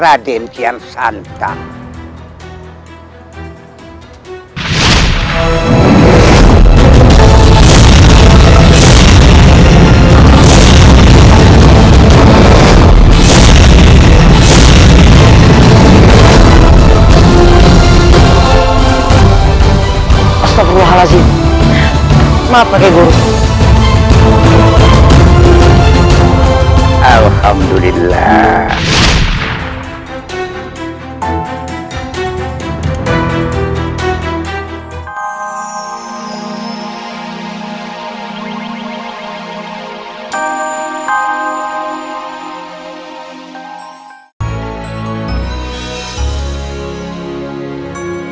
assalamualaikum warahmatullahi wabarakatuh